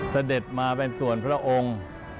เสด็จมาเป็นส่วนพระองค์